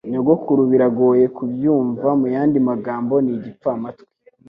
Nyogokuru biragoye kubyumva Muyandi magambo, ni igipfamatwi